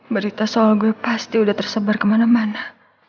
berita soal gue pasti udah tersebar kemana mana